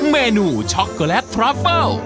เมนูช็อกโกแลตทราเฟิล